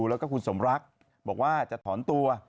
แล้วก็คุณสมรักบอกว่าจะถอนตัว